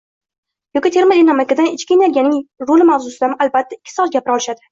yoki termodinamikada ichki energiyaning roli mavzusidami, albatta, ikki soat gapira olishadi.